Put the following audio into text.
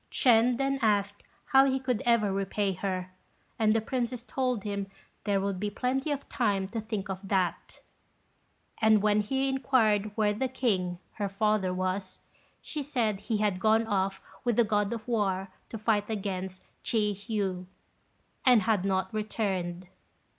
Ch'ên then asked how he could ever repay her, and the Princess told him there would be plenty of time to think of that; and when he inquired where the king, her father, was, she said he had gone off with the God of War to fight against Ch'ih yu, and had not returned.